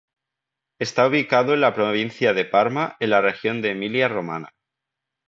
Está ubicado en la provincia de Parma en la región de Emilia-Romaña.